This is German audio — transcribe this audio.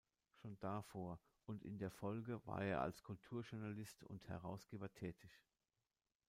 Schon davor und in der Folge war er als Kulturjournalist und Herausgeber tätig.